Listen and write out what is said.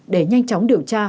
để nhanh chóng điều tra